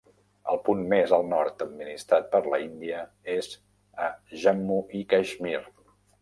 El punt més al nord administrat per la Índia és a Jammu i Caixmir.